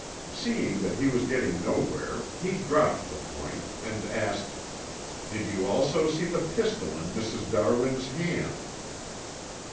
Seeing that he was getting nowhere he dropped the point, and asked: "Did you also see the pistol in Mrs. Darwin's hand?"